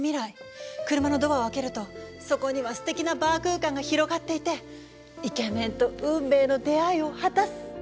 車のドアを開けるとそこにはすてきなバー空間が広がっていてイケメンと運命の出会いを果たす！